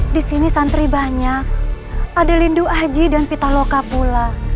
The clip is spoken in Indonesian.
disini santri banyak ada lindu aji dan pita loka pula